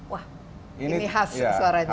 wah ini khas suaranya